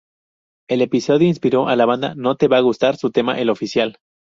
El episodio inspiró a la banda No Te Va Gustar su tema El oficial.